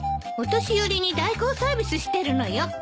お年寄りに代行サービスしてるのよ。